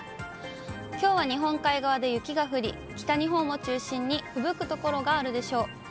きょうは日本海側で雪が降り、北日本を中心にふぶく所があるでしょう。